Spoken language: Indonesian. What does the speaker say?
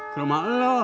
ke rumah lo